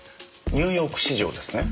ニューヨーク市場ですね。